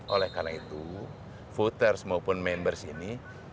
oleh karena itu voters maupun members ini